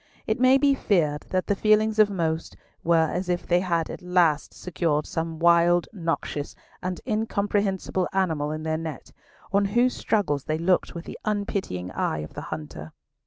It may be feared that the feelings of most were as if they had at last secured some wild, noxious, and incomprehensible animal in their net, on whose struggles they looked with the unpitying eye of the hunter.